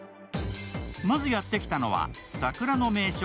まずやってきたのは桜の名所